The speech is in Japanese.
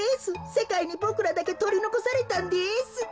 せかいにボクらだけとりのこされたんです。